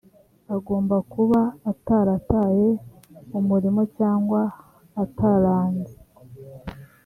agomba kuba atarataye umurimo cyangwa ataranze.